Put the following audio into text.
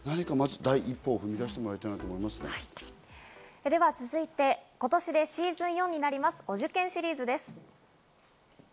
一歩踏み出してもらいたいでは続いて、今年でシーズン４になります、お受験シリーズです。